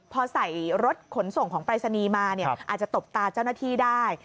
พอใส่รถขนส่งของปรายศนีย์มาเนี่ยอาจจะตบตาเจ้าหน้าที่ได้